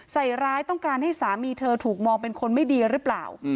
ใส่ร้ายต้องการให้สามีเธอถูกมองเป็นคนไม่ดีหรือเปล่า